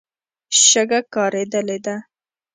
شګه کارېدلې ده.